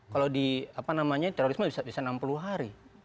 kalau di terorisme bisa enam puluh hari